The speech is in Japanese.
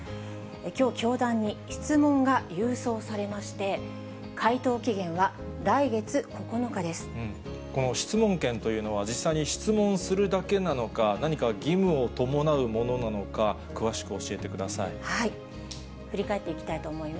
きょう、教団に質問が郵送されまして、この質問権というのは、実際に質問するだけなのか、何か義務を伴うものなのか、詳しく教えてください。